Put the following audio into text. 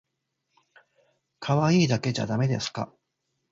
可愛いだけじゃだめですか？